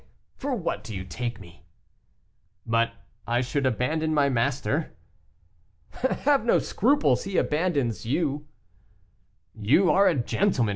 for what do you take me?" "But I should abandon my master." "Have no scruples; he abandons you." "You are a gentleman, M.